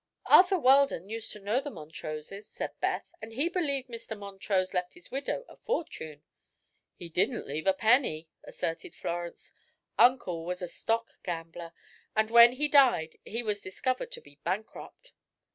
"Arthur Weldon used to know the Montroses," said Beth, "and be believed Mr. Montrose left his widow a fortune." "He didn't leave a penny," asserted Florence. "Uncle was a stock gambler, and when he died he was discovered to be bankrupt."